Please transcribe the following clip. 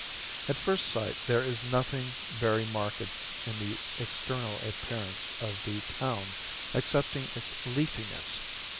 At first sight there is nothing very marked in the external appearance of the town excepting its leafiness.